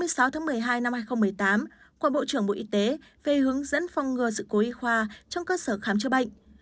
của bộ trưởng bộ y tế về hướng dẫn phong ngừa sự cố y khoa trong cơ sở khám chữa bệnh